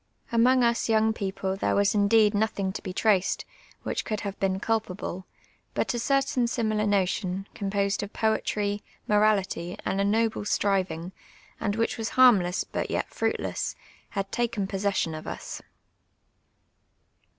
Amonji: us younp: people there was indeed nothings to be traci'd, which could have been culj)able, but a certain similar notion, composed of poetry, morality, and a noble striving, and which was harmless but yet fruitless, had taken possession of us.